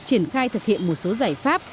triển khai thực hiện một số giải pháp